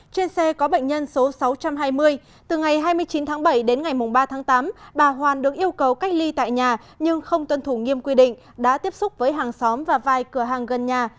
trên xe có bệnh nhân số sáu trăm hai mươi từ ngày hai mươi chín tháng bảy đến ngày ba tháng tám bà hoàn được yêu cầu cách ly tại nhà nhưng không tuân thủ nghiêm quy định đã tiếp xúc với hàng xóm và vài cửa hàng gần nhà